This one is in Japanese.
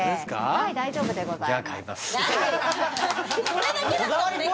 はい大丈夫でございます